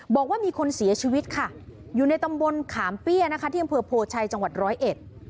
บอกว่ามีคนเสียชีวิตอยู่ในตำบลขามเปี๊ยะที่เผือโภลชัยจังหวัดร้อยเอ็ด